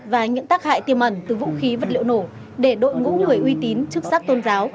và những tác hại tiềm ẩn từ vũ khí vật liệu nổ để đội ngũ người uy tín chức sắc tôn giáo